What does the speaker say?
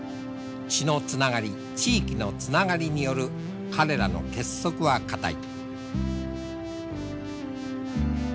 血のつながり地域のつながりによる彼らの結束は固い。